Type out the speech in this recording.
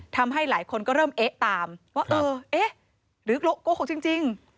ทำให้หลายคนก็เริ่มเอ๊ะตามว่าเออเอ๊ะหรือโกหกจริง